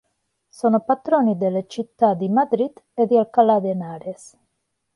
Sono patroni delle città di Madrid e di Alcalá de Henares.